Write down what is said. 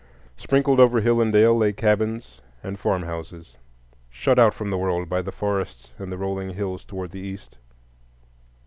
Sprinkled over hill and dale lay cabins and farmhouses, shut out from the world by the forests and the rolling hills toward the east.